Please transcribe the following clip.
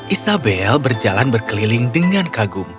isabel berjalan berkeliling dengan kagum